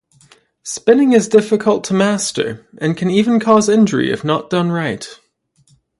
Spinning is difficult to master, and can even cause injury if not done right.